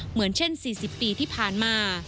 เหมือนเช่น๔๐ปีที่ผ่านมา